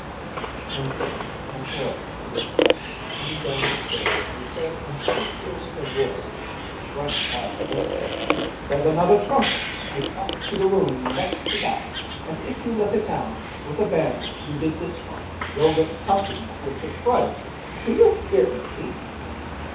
She turned quickly and terribly to the expressmen coming down the stairs and said in so fierce a voice that they shrank back visibly, "There's another trunk to take up to the room next to that. And if you let it down with the bang you did this one, you'll get something that will surprise you! Do you hear me!"